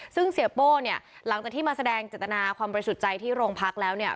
ซึ่งเสียโป้เนี่ยหลังจากที่มาแสดงเจตนาความบริสุทธิ์ใจที่โรงพักแล้วเนี่ย